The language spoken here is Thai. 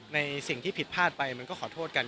ในสิ่งที่ผิดพลาดไปมันก็ขอโทษกัน